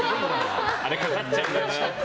あれかかっちゃうからな。